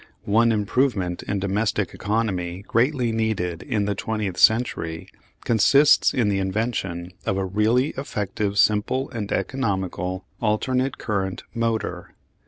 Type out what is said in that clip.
One improvement in domestic economy greatly needed in the twentieth century consists in the invention of a really effective simple and economical "alternate current" motor.